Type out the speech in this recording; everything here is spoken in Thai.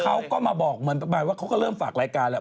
เขาก็มาบอกมันต่อไปว่าเขาก็เริ่มฝากรายการแล้ว